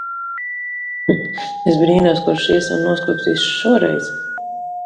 I wonder who he’ll go and kiss this time.